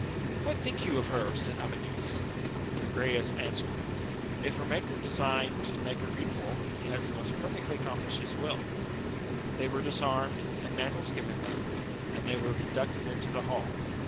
What think you of her? said Amadis. Agrayes answered, If her Maker de signed to make her beautiful, he has most perfectly accompUshed his will. They were disarmed, and mantles given them, and they were conducted into the hall.